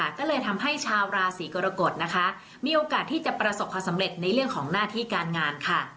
ก็เลยทำให้ชาวราศีกรกฎนะคะมีโอกาสที่จะประสบความสำเร็จในเรื่องของหน้าที่การงานค่ะ